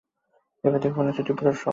এবার দেখে মনে হচ্ছে তুই পুরো মজে আছিস।